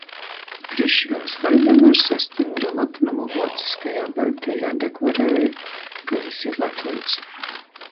Krišjuoņs Vaļdemars ar styngru lapnumu vuocyskajā Baļtejā deklarēja, ka jis ir latvīts.